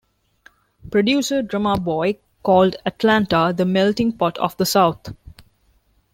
Producer Drumma Boy called Atlanta "the melting pot of the South".